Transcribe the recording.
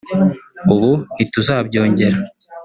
ubu ntituzabyongera”